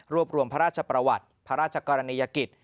รวมรวมพระราชประวัติพระราชกรณียกิจ